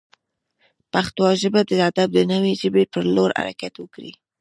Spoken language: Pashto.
پښتو ژبه د ادب د نوې ژبې پر لور حرکت وکړي.